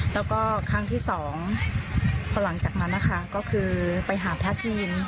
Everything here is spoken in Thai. แล้วก็ครั้งที่สองพอหลังจากนั้นนะคะก็คือไปหาพระจีน